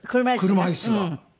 車椅子が。